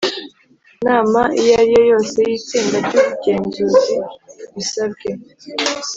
Nama iyo ariyo yose y itsinda ry ugenzuzi bisabwe